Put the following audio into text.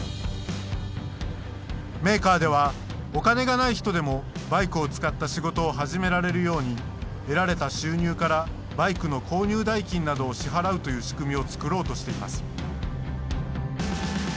メーカーではお金がない人でもバイクを使った仕事を始められるように得られた収入からバイクの購入代金などを支払うという仕組みを作ろうとしています。